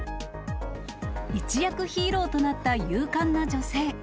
一躍ヒーローとなった勇敢な女性。